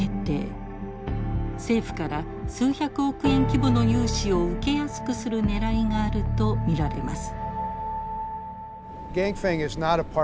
政府から数百億円規模の融資を受けやすくするねらいがあると見られます。